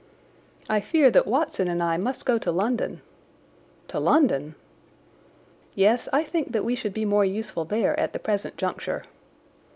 "I fear that Watson and I must go to London." "To London?" "Yes, I think that we should be more useful there at the present juncture."